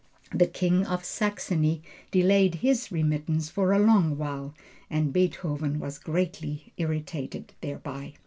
The King of Saxony delayed his remittance for a long while, and Beethoven was greatly irritated thereby.